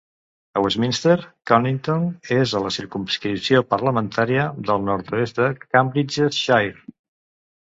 A Westminster, Conington és a la circumscripció parlamentària del nord-oest de Cambridgeshire.